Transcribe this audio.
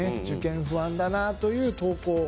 「受験不安だな」という投稿。